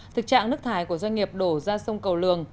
thực trạng nước thải của doanh nghiệp đổ ra sông cầu lường